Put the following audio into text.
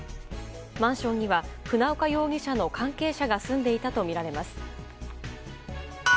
マンションには船岡容疑者の関係者が住んでいたとみられます。